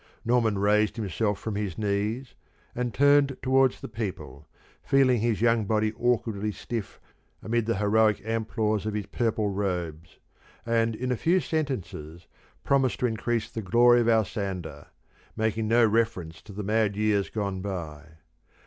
Norman raised himself from his knees, and turned towards the people, feeling his young body awkwardly stiff amid the heroic amplours of his purple robes, and in a few sentences promised to increase the glory of Alsander, making no reference to the mad years gone by.